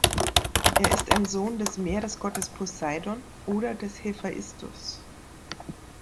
Er ist ein Sohn des Meeresgottes Poseidon oder des Hephaistos.